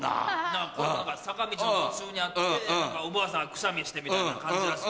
何か坂道の途中にあっておばあさんがクシャミしてみたいな感じらしい。